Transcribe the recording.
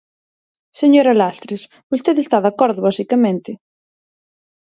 Señora Lastres, vostede está de acordo basicamente.